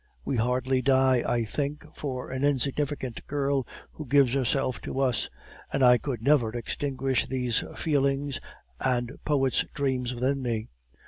We hardly die, I think, for an insignificant girl who gives herself to us; and I could never extinguish these feelings and poet's dreams within me.